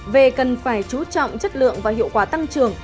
về cần phải chú trọng chất lượng và hiệu quả tăng trưởng